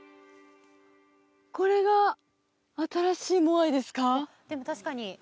これが新しいモアイですか？